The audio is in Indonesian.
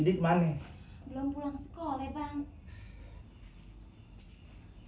sidik mane belum pulang sekolah bang